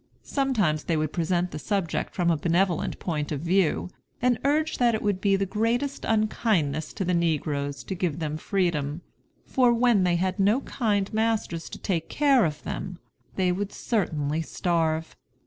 Sometimes they would present the subject from a benevolent point of view, and urge that it would be the greatest unkindness to the negroes to give them freedom; for when they had no kind masters to take care of them they would certainly starve.